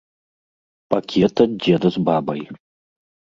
Пакет ад дзеда з бабай.